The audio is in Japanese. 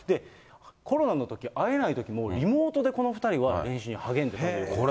コロナのとき、会えないときも、リモートでこの２人は練習に励んでいたということです。